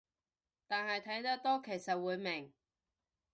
但係睇得多其實會明